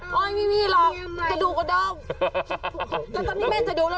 ไม่พี่เงียบป่ะลูกกระดูกกระดอบ